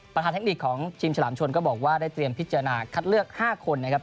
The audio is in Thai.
ทางเทคนิคของทีมฉลามชนก็บอกว่าได้เตรียมพิจารณาคัดเลือก๕คนนะครับ